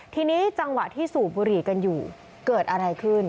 ทีนี้จังหวะที่สูบบุหรี่กันอยู่เกิดอะไรขึ้น